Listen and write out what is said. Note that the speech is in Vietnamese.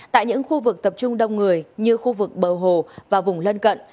tại những khu vực tập trung đông người như khu vực bờ hồ và vùng lân cận